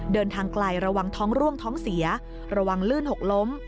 เดินทางไกลระวังท้องร่วงท้องเสียระวังลื่นหกล้ม